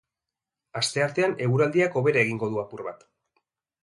Asteartean eguraldiak hobera egingo du apur bat.